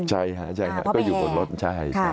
ใช่ค่ะก็อยู่บนรถใช่